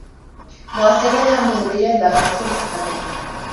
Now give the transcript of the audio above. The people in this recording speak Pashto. مؤثریت هم د مدیریت له عناصرو څخه دی.